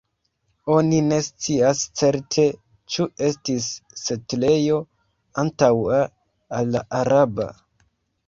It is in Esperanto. Oni ne scias certe ĉu estis setlejo antaŭa al la araba.